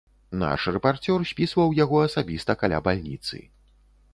Наш рэпарцёр спісваў яго асабіста каля бальніцы.